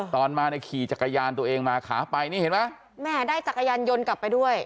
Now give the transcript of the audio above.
ตอนมาเนี่ยขี่จักรยานตัวเองมาขาไปนี่เห็นไหมแม่ได้จักรยานยนต์กลับไปด้วย